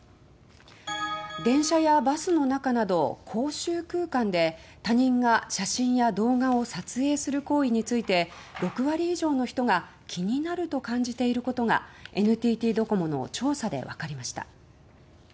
電車やバスの中など公衆空間で他人が写真や動画を撮影する行為について６割以上の人が気になると感じていることがＮＴＴドコモの調査でわかりました。